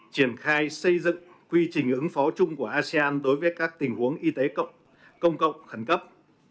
triển khai xây dựng quy trình ứng phó chung của asean đối với các tình huống y tế công cộng khẩn cấp